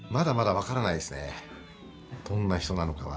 どんな人なのかは。